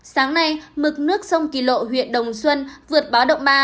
sáng nay mực nước sông kỳ lộ huyện đồng xuân vượt báo động ba